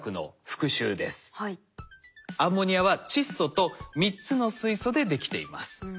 アンモニアは窒素と３つの水素でできています。